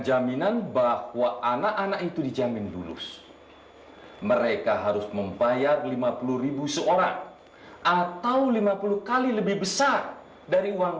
jaminan bahwa anak anak itu dijamin lulus mereka harus membayar lima puluh seorang atau lima puluh kali lebih besar dari uang